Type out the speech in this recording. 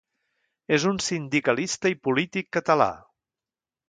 És un sindicalista i polític català.